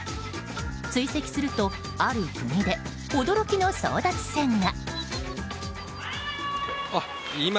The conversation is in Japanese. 追跡すると、ある国で驚きの争奪戦が。